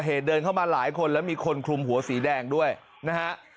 เดินเข้ามาหลายคนแล้วมีคนคลุมหัวสีแดงด้วยนะฮะ